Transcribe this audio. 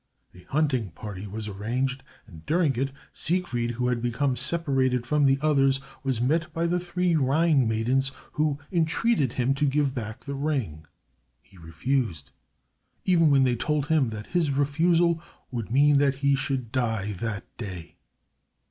A hunting party was arranged, and during it Siegfried, who had become separated from the others, was met by the three Rhine Maidens, who entreated him to give back the Ring. He refused, even when they told him that his refusal would mean that he should die that day.